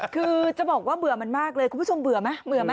คือจะบอกว่าเบื่อมันมากเลยคุณผู้ชมเบื่อไหมเบื่อไหม